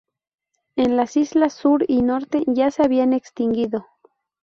En las islas Sur y Norte ya se habían extinguido.